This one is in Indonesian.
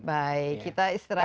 baik kita istirahat